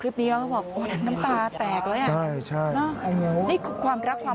พี่เบอร์น่ะค่ะ